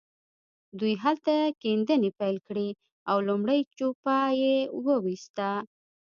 دوی هلته کيندنې پيل کړې او لومړۍ جوپه يې وويسته.